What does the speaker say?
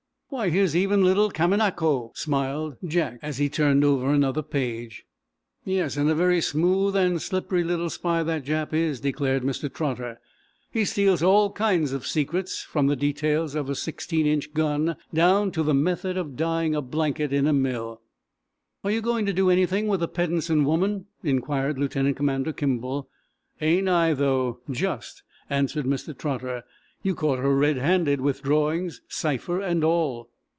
"Why, here's even little Kamanako," smiled as he turned over another page. "Yes, and a very smooth and slippery little spy that Jap is," declared Mr. Trotter. "He steals all kinds of secrets, from the details of sixteen inch guns down to the method of dyeing a blanket in a mill." "Are you going to do anything with the Peddensen woman?" inquired Lieutenant Commander Kimball. "Ain't I, though just!" answered Mr. Trotter. "You caught her red handed, with drawings, cipher and all."